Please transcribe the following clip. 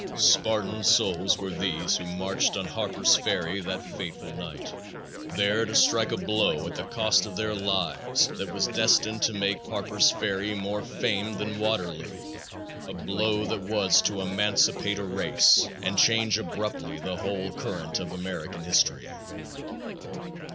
Spartan souls were these who marched on Harper's Ferry that fateful night, there to strike a blow at the cost of their lives that was destined to make Harper's Ferry more famed than Waterloo a blow that was to emancipate a race and change abruptly the whole current of American history.